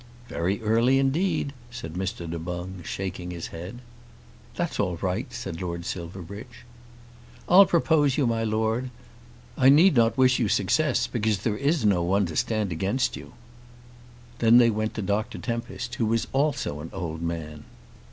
"Very early indeed," said Mr. Du Boung, shaking his head. "That's all right," said Lord Silverbridge. "I'll propose you, my Lord. I need not wish you success, because there is no one to stand against you." Then they went to Dr. Tempest, who was also an old man.